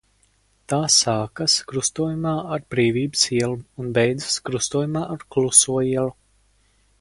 Tā sākas krustojumā ar Brīvības ielu un beidzas krustojumā ar Kluso ielu.